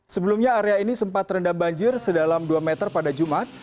sebelumnya area ini sempat terendam banjir sedalam dua meter pada jumat